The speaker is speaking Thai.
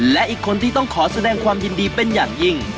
และอีกคนที่ต้องขอแสดงความยินดีเป็นอย่างยิ่ง